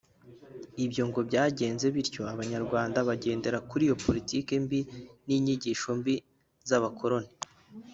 Ibyo ngo byakomeje bityo Abanyarwanda bagendera kuri iyo politiki mbi n’inyigisho mbi z’abakoloni